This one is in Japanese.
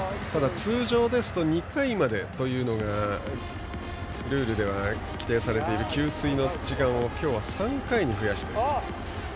通常ですと２回までというのがルールでは規定されている給水の時間を今日は３回に増やしています。